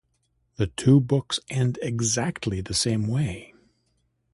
The two books end exactly the same way.